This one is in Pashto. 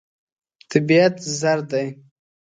طبیعت زر دی.